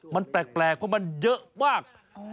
มันแปลกเพราะมันเยอะมาก